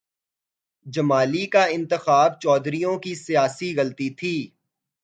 جمالی کا انتخاب چودھریوں کی سیاسی غلطی تھی۔